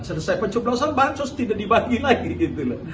selesai pencoblosan bansos tidak dibagi lagi